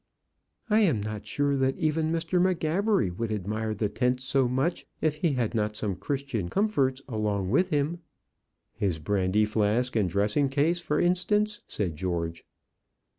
"I am not sure that even Mr. M'Gabbery would admire the tents so much if he had not some Christian comforts along with him." "His brandy flask and dressing case, for instance," said George.